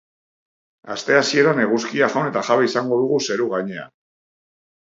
Aste hasieran eguzkia jaun eta jabe izango dugu zeru-gainean.